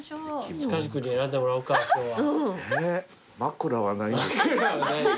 塚地君に選んでもらおうか今日は。枕はないですか？